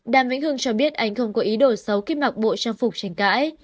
đàm vĩnh hương cho biết anh không có ý đổi xấu khi mặc bộ trang phục tranh cãi